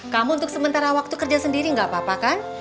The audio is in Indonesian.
kamu untuk sementara waktu kerja sendiri gak apa apa kan